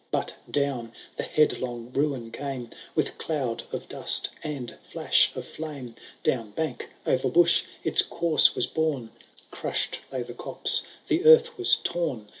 But down the headlong ruin came. With doud of dust and flash of flame. Down bank, o'er bush, its course was borne, CrusVd lay the copse, the earth was torn.